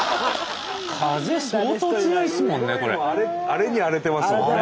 荒れに荒れてますもんね。